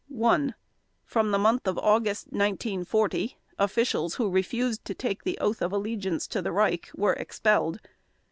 1. From the month of August 1940, officials who refused to take the oath of allegiance to the Reich were expelled.